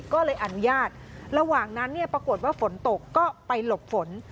ก็เลยอนุญาตระหว่างนั้นเนี่ยปรากฏว่าฝนตกก็ไปหลบฝน